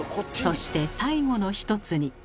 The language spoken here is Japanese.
そして最後の１つに。